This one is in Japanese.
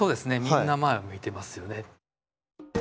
みんな前を向いてますよね。